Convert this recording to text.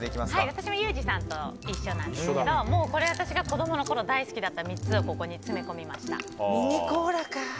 私もユージさんと一緒なんですけどもう、これは私が子供のころ大好きだった３つをここに詰め込みました。